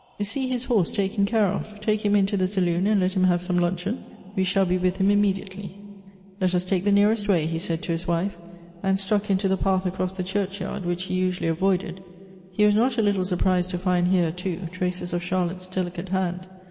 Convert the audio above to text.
See his horse taken care of. Take him into the saloon, and let him have some luncheon. We shall be with him immediately." " Let us take the nearest way," he said to his wife, and struck into the path across the churchyard, which he usually avoided. He was not a little sui prised to find here, too, traces of Charlotte's delicate hand.